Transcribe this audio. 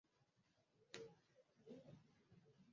Alielezea juu ya uwezo wa Jacob kufanya matukio akiruka